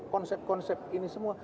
konsep konsep ini semua